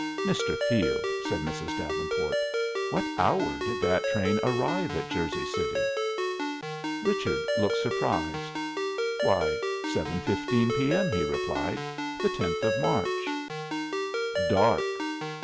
"Mr. Field," said Mrs. Davenport, "what hour did that train arrive at Jersey City?" Richard looked surprised. "Why, seven fifteen P. M.," he replied. "The tenth of March." "Dark!"